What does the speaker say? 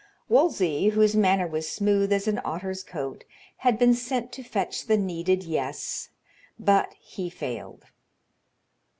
Wolsey, whose manner was smooth as an otter's coat, had been sent to fetch the needed "yes"; but he failed.